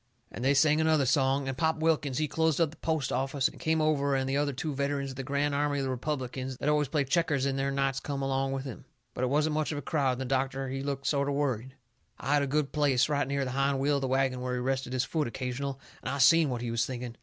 And they sung another song, and Pop Wilkins, he closed up the post office and come over and the other two veterans of the Grand Army of the Republicans that always plays checkers in there nights come along with him. But it wasn't much of a crowd, and the doctor he looked sort o' worried. I had a good place, right near the hind wheel of the wagon where he rested his foot occasional, and I seen what he was thinking.